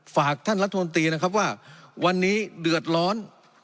ฝากท่านรัฐมนตรีนะครับว่าวันนี้เดือดร้อน